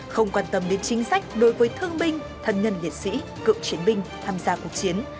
không quan tâm đến chính sách đối với thương binh thân nhân liệt sĩ cựu chiến binh tham gia cuộc chiến